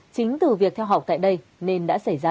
chính từ việc theo học tại đây nên đã xảy ra